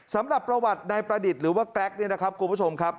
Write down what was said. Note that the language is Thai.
สำหรับประวัตินายประดิษฐ์หรือว่าแกรกเนี่ยนะครับคุณผู้ชมครับ